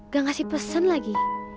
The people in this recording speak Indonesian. gak ngasih pesan lagi